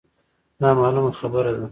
دا مـعـلومـه خـبـره ده.